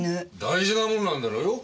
大事なものなんだろうよ